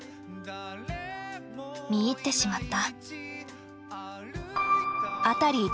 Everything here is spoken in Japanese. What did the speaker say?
見入ってしまった。